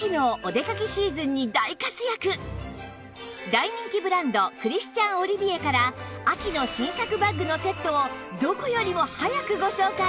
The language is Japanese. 大人気ブランドクリスチャン・オリビエから秋の新作バッグのセットをどこよりも早くご紹介！